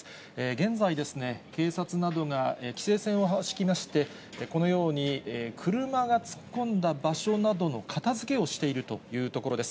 現在、警察などが規制線を敷きまして、このように、車が突っ込んだ場所などの片づけをしているというところです。